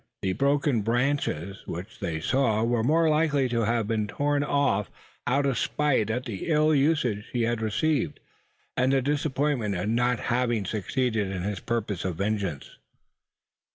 The broken branches which they saw were more likely to have been torn off out of spite at the ill usage he had received, and the disappointment at not having succeeded in his purposes of vengeance.